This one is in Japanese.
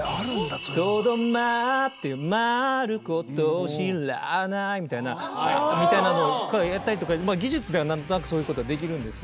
そういうのが「とどまあ」っていう「まあることを知らあ゛ない」みたいなみたいなのをやったりとか技術では何となくそういうことはできるんです